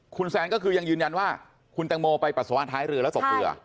คุณแซนก็คือยังยืนยันว่าคุณแตงโมไปปัสสาวะท้ายเรือแล้วตกเรือ